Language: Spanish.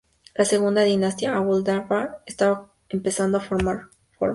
La segunda dinastía Abdul-Jabbar estaba empezando a tomar forma.